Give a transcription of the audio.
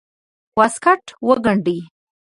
واسکټ وګنډي.